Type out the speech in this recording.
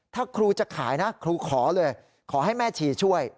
ถ้าครูจะขายนะครูขอเลยขอให้แม่ชีช่วย